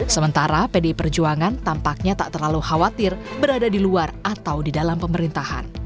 sementara pdi perjuangan tampaknya tak terlalu khawatir berada di luar atau di dalam pemerintahan